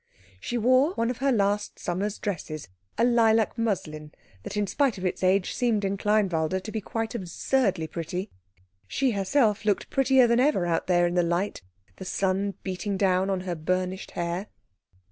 She wore one of her last summer's dresses, a lilac muslin that in spite of its age seemed in Kleinwalde to be quite absurdly pretty. She herself looked prettier than ever out there in the light, the sun beating down on her burnished hair.